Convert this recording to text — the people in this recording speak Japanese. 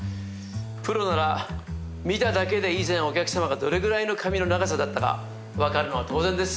プロなら見ただけで以前お客さまがどれぐらいの髪の長さだったか分かるのは当然です。